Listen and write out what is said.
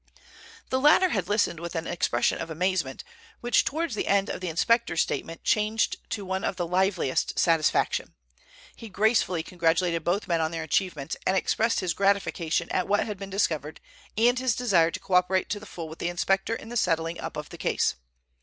The latter had listened with an expression of amazement, which towards the end of the inspector's statement changed to one of the liveliest satisfaction. He gracefully congratulated both men on their achievements, and expressed his gratification at what had been discovered and his desire to co operate to the full with the inspector in the settling up of the case.